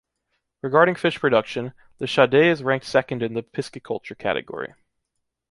Regarding fish production, le Chadet is ranked second in the pisciculture category.